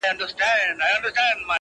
o وخت لکه سره زر.